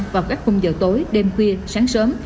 vào các khung giờ tối đêm khuya sáng sớm